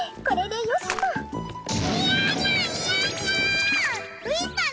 これでよしっと！